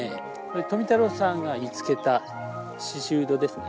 富太郎さんが見つけたシシウドですね。